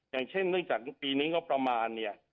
อย่างเช่นเนื่องจากปีนี้งบประมาณเนี่ย